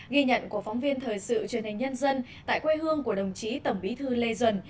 ghi nhận của phóng viên thời sự truyền hình nhân dân tại quê hương của đồng chí tổng bí thư lê duẩn